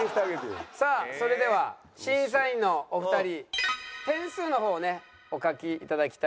さあそれでは審査員のお二人点数の方をねお書きいただきたいと思います。